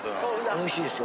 おいしいですよ。